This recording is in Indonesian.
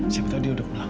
siapa tahu dia udah pulang